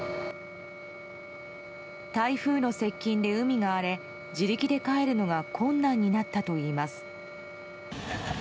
台風の接近で海が荒れ自力で帰るのが困難になったといいます。